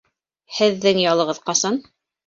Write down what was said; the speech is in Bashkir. Һеҙҙең ялығыҙ ҡасан?